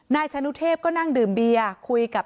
นายชานุเทพก็นั่งดื่มเบียร์คุยกับ